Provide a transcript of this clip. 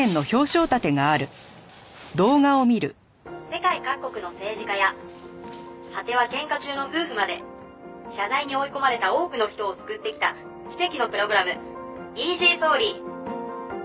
「世界各国の政治家や果ては喧嘩中の夫婦まで謝罪に追い込まれた多くの人を救ってきた奇跡のプログラムイージーソーリー」